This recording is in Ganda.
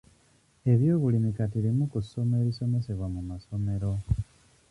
Ebyobulimi kati limu ku ssomo erisomesebwa mu masomero.